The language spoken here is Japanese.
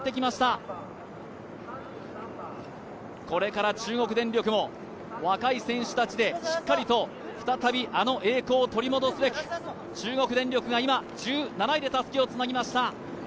これから中国電力も若い選手たちでしっかりと再びあの栄光を取り戻すべく中国電力が今、１７位でたすきをつなぎました。